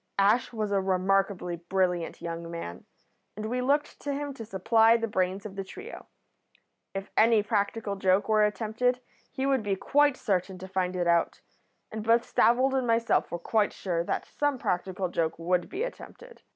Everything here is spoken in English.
Ash was a remarkably brilliant young man, and we looked to him to supply the brains of the trio. If any practical joke were attempted he would be quite certain to find it out, and both Stavold and myself were quite sure that some practical joke would be attempted.